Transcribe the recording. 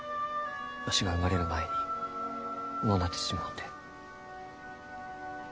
わしが生まれる前に亡うなってしもうて。